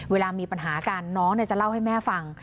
เวลามีปัญหากันน้องจะเล่าให้แม่ฟัง